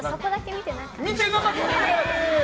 見てなかったの？